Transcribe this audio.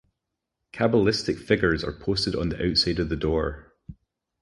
Cabalistic figures are posted on the outside of the door.